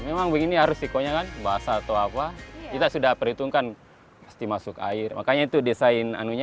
memang begini harus dikonyolkan basah atau apa kita sudah perhitungkan pasti masuk air makanya itu desainnya